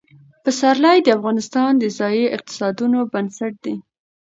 پسرلی د افغانستان د ځایي اقتصادونو بنسټ دی.